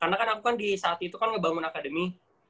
karena kan aku kan disaat itu kan ngebangun akademi